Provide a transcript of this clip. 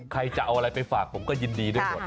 ใครจะเอาอะไรไปฝากผมก็ยินดีด้วยหมด